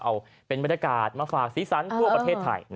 เอาเป็นบรรยากาศมาฝากสีสันทั่วประเทศไทย